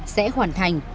sẽ hoàn thành